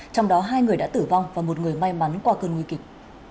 trong đó hai người đã tử vong và một người may mắn qua cơn nguy kịch